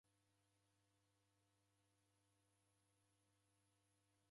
Oko na w'ujuzi mungi nandighi.